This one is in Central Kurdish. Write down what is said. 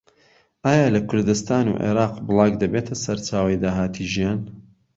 ئایا لە کوردستان و عێراق بڵاگ دەبێتە سەرچاوەی داهاتی ژیان؟